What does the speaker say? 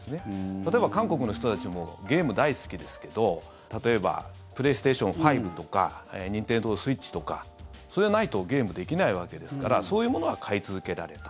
例えば、韓国の人たちもゲーム大好きですけど例えばプレイステーション５とかニンテンドースイッチとかそれがないとゲームできないわけですからそういうものは買い続けられた。